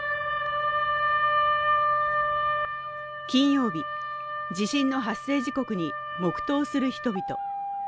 金曜日地震の発生時刻に黙とうする人々。